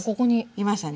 いましたね。